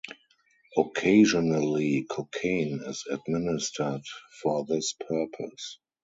Occasionally, cocaine is administered for this purpose.